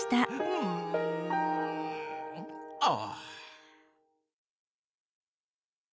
うん。ああ！